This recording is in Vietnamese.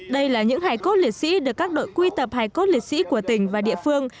đây là những hải cốt liệt sĩ được các đội quy tập hải cốt liệt sĩ của tỉnh và địa phương